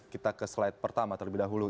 kita ke slide pertama terlebih dahulu